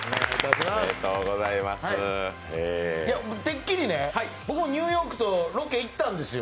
てっきりね、僕もニューヨークとロケ行ったんですよ。